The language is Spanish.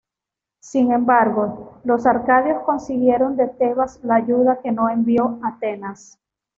Sin embargo, los arcadios consiguieron de Tebas la ayuda que no envió Atenas.